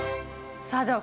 さあ